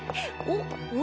おっ？